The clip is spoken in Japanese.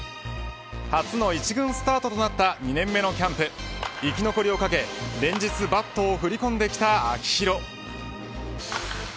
初の１軍スタートとなった２年目のキャンプ生き残りをかけ連日バットを振り込んできた秋広。